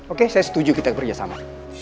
oke saya setuju kita bekerja sama